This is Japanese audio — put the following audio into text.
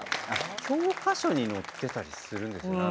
教科書に載ってたりするんですよね。